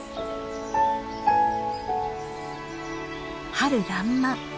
春らんまん。